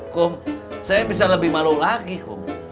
kum saya bisa lebih malu lagi kum